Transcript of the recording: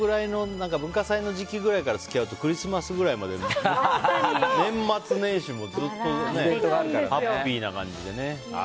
文化祭の時期ぐらいから付き合うとクリスマスぐらいから年末年始までずっとハッピーな感じでね。